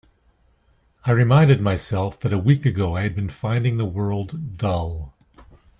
I reminded myself that a week ago I had been finding the world dull.